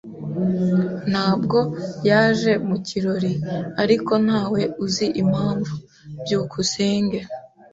Ntabwo yaje mu kirori, ariko ntawe uzi impamvu. byukusenge